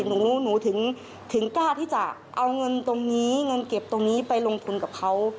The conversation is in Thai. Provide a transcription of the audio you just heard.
หนูถึงกล้าที่จะเอาเงินตรงนี้เงินเก็บตรงนี้ไปลงทุนกับเขา